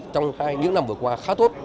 trong hai những năm vừa qua khá tốt